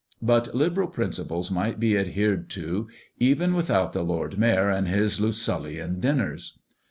But liberal principles might be adhered to even without the Lord Mayor and his Lucullian dinners.